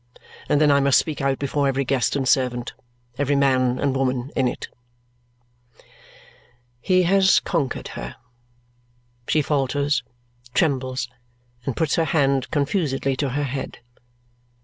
And then I must speak out before every guest and servant, every man and woman, in it." He has conquered her. She falters, trembles, and puts her hand confusedly to her head.